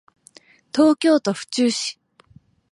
東京都府中市